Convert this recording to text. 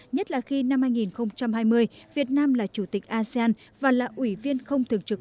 nhất là khi năm hai nghìn hai mươi việt nam là chủ tịch asean và là ủy viên không thường trực